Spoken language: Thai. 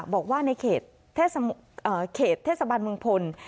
บอกว่าในเขตเทศบาลเมืองพล